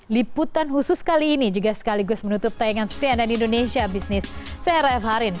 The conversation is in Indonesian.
liputan khusus kali ini juga sekaligus menutup tayangan cnn indonesia bisnis crf hari ini